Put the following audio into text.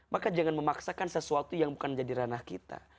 maka jangan memaksakan sesuatu yang bukan menjadi ranah kita